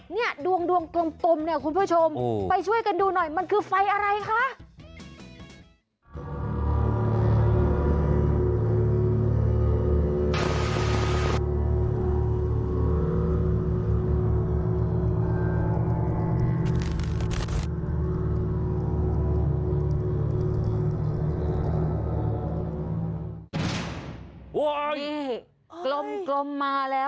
เนี่ยดวงดวงกลมเนี่ยคุณผู้ชมไปช่วยกันดูหน่อยมันคือไฟอะไรคะ